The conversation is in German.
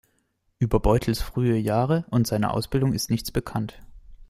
Über Beutels frühe Jahre und seine Ausbildung ist nichts bekannt.